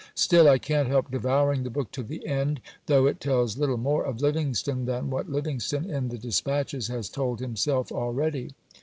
Still I can't help devouring the book to the end, though it tells little more of Livingstone than what Livingstone in the despatches has told himself already.